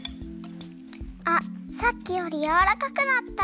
あっさっきよりやわらかくなった。